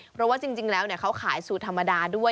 เพราะว่าจริงแล้วเขาขายสูตรธรรมดาด้วย